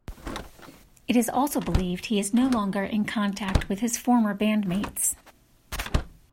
It is also believed he is no longer in contact with his former bandmates.